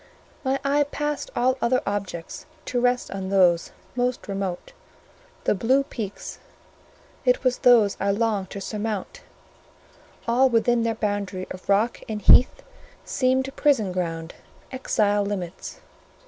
My eye passed all other objects to rest on those most remote, the blue peaks; it was those I longed to surmount; all within their boundary of rock and heath seemed prison ground, exile limits.